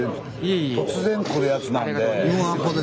突然来るやつなんで。